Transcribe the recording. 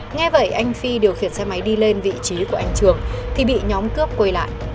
nghe vậy anh phi điều khiển xe máy đi lên vị trí của anh trường thì bị nhóm cướp quay lại